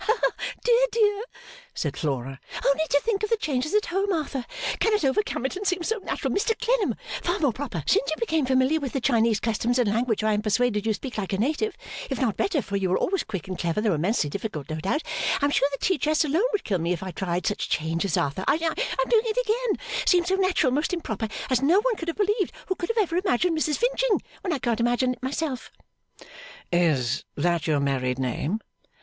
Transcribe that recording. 'Dear dear,' said Flora, 'only to think of the changes at home Arthur cannot overcome it, and seems so natural, Mr Clennam far more proper since you became familiar with the Chinese customs and language which I am persuaded you speak like a Native if not better for you were always quick and clever though immensely difficult no doubt, I am sure the tea chests alone would kill me if I tried, such changes Arthur I am doing it again, seems so natural, most improper as no one could have believed, who could have ever imagined Mrs Finching when I can't imagine it myself!' 'Is that your married name?